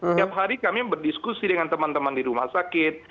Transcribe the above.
setiap hari kami berdiskusi dengan teman teman di rumah sakit